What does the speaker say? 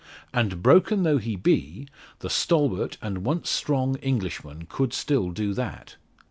And broken though he be, the stalwart, and once strong, Englishman could still do that.